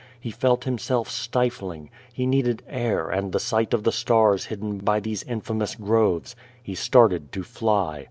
He felt himself stifling. He need ed air and the sight of the stars hidden by these infamous groves. He started to fly.